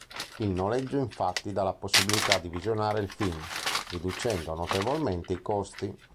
Il noleggio infatti dà la possibilità di visionare il film, riducendo notevolmente i costi.